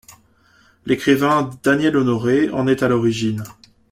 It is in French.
L'écrivain Daniel Honoré en est à l'origine.